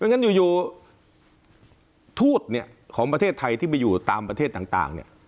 ไม่งั้นพืชปาวเมินของประเทศไทยที่ไปอยู่ตามประเทศต่าง